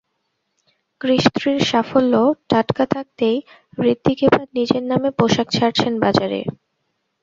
কৃষ থ্রির সাফল্য টাটকা থাকতেই হূতিক এবার নিজের নামে পোশাক ছাড়ছেন বাজারে।